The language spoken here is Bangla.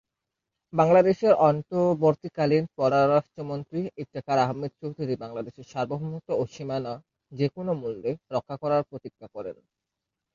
বাংলাদেশের অন্তর্বর্তীকালীন পররাষ্ট্রমন্ত্রী ইফতেখার আহমেদ চৌধুরী বাংলাদেশের সার্বভৌমত্ব ও সীমানা "যেকোনো মূল্যে" রক্ষা করার প্রতিজ্ঞা করেন।